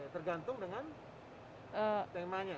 tergantung dengan temanya